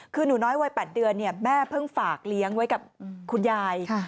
คือหนูน้อยวัย๘เดือนแม่เพิ่งฝากเลี้ยงไว้กับคุณยาย